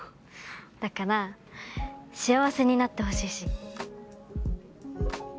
だから幸せになってほしいし。